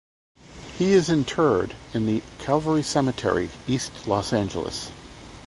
He is interred in the Calvary Cemetery, East Los Angeles.